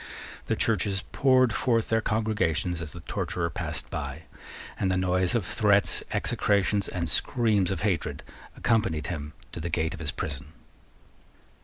The churches poured forth their congregations as the torturer passed by, and the noise of threats, execrations, and screams of hatred accompanied him to the gate of his prison.